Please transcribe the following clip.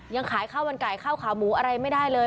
ยังขายข้าวมันไก่ข้าวขาวหมูอะไรไม่ได้เลย